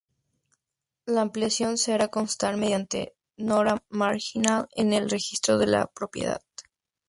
La ampliación se hará constar mediante nota marginal en el Registro de la propiedad.